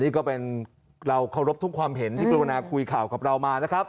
นี่ก็เป็นเราเคารพทุกความเห็นที่กรุณาคุยข่าวกับเรามานะครับ